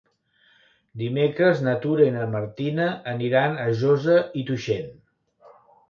Dimecres na Tura i na Martina aniran a Josa i Tuixén.